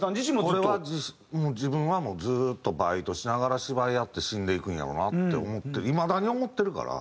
俺は自分はもうずーっとバイトしながら芝居やって死んでいくんやろなって思っていまだに思ってるから。